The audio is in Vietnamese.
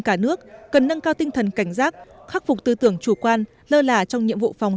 cả nước cần nâng cao tinh thần cảnh giác khắc phục tư tưởng chủ quan lơ lả trong nhiệm vụ phòng